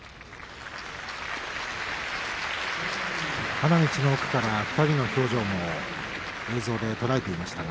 花道の奥から２人の表情も映像で捉えていました。